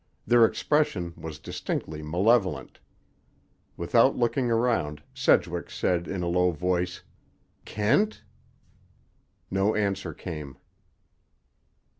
Their expression was distinctly malevolent. Without looking round, Sedgwick said in a low voice: "Kent!" No answer came.